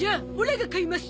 か買います